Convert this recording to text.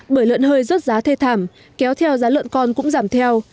bởi lợn hơi rớt giá thê thảm kéo theo giá lợn con cũng giảm theo